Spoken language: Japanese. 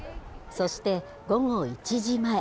そして、午後１時前。